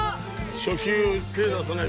初球手出さない